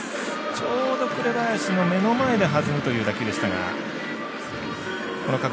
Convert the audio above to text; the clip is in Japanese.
ちょうど紅林の目の前で弾むという打球でした。